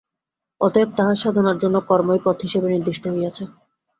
অতএব তাঁহার সাধনার জন্য কর্মই পথ-হিসাবে নির্দিষ্ট হইয়াছে।